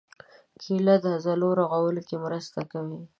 کېله د عضلو رغولو کې مرسته کوي.